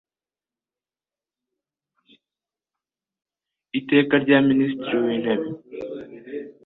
Iteka rya Minisitiri w Intebe